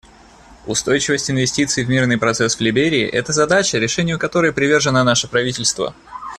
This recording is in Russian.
Устойчивость инвестиций в мирный процесс в Либерии — это задача, решению которой привержено наше правительство.